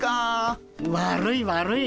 悪い悪い。